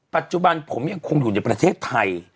ปัจจุบันผมยังคงอยู่ในประเทศไทย